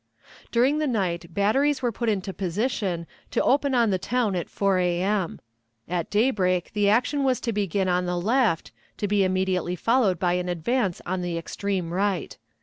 During the night batteries were put in position to open on the town at 4 A.M. At daybreak the action was to begin on the left, to be immediately followed by an advance on the extreme right.